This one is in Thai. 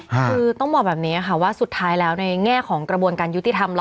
คือต้องบอกแบบนี้ค่ะว่าสุดท้ายแล้วในแง่ของกระบวนการยุติธรรม